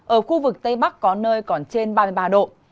ở khu vực tây bắc có nơi còn trên ba mươi ba độ